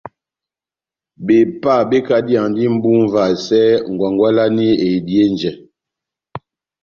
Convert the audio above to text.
Bepá bekadiyandi mʼbu múvasɛ ngwangwalani eidihe njɛ.